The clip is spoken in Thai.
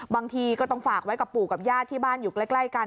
บางทีก็ต้องฝากไว้กับปู่กับญาติที่บ้านอยู่ใกล้กัน